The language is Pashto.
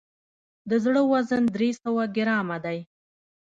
د زړه وزن درې سوه ګرامه دی.